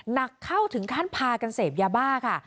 หนักเข้าถึงขั้นพากันเสพยาบ้าค่ะ